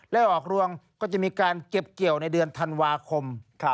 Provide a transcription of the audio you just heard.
และออกรวงก็จะมีการเก็บเกี่ยวในเดือนธันวาคม